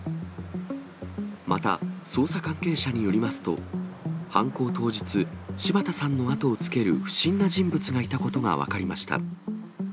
また、捜査関係者によりますと、犯行当日、柴田さんの後をつける不審な人物がいたことが分かりました。